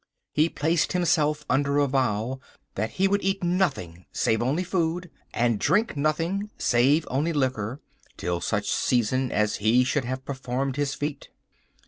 He placed himself under a vow that he would eat nothing, save only food, and drink nothing, save only liquor, till such season as he should have performed his feat.